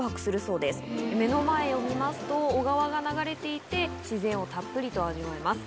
目の前を見ますと小川が流れていて自然をたっぷりと味わえます。